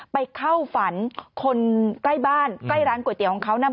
ไปเข้าฝันคนใกล้บ้านใกล้ร้านก๋วยเตี๋ยวของเขานะ